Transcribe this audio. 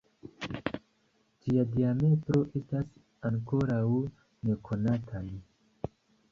Ĝia diametro estas ankoraŭ nekonataj.